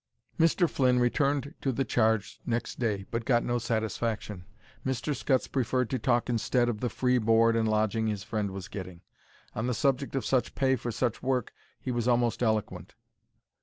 Mr. Flynn returned to the charge next day, but got no satisfaction. Mr. Scutts preferred to talk instead of the free board and lodging his friend was getting. On the subject of such pay for such work he was almost eloquent.